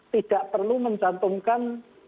tidak perlu mencantumkan